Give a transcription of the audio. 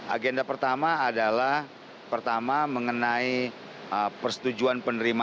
agenda pertama adalah pertama mengenai persetujuan penerimaan